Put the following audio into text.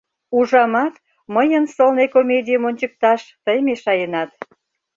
— Ужамат, мыйын сылне комедийым ончыкташ тый мешаенат?